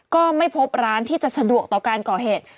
ก็ไม่พบร้านที่จะสะดวกต่อการก่อเหตุ